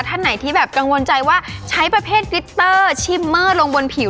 ท่านไหนที่แบบกังวลใจว่าใช้ประเภทกริตเตอร์ชิมเมอร์ลงบนผิว